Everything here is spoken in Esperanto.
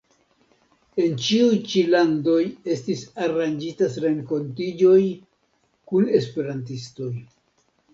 En ĉiuj ĉi landoj estis aranĝitaj renkontiĝoj kun esperantistoj.